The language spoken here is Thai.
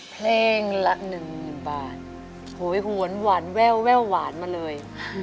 เพลงละ๑บาทโหยหวนหวานแว่วแว่วหวานมาเลย